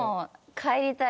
「帰りたい」。